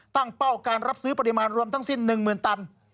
เป้าการรับซื้อปริมาณรวมทั้งสิ้น๑๐๐๐ตัน